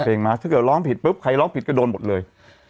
มาถ้าเกิดร้องผิดปุ๊บใครร้องผิดก็โดนหมดเลย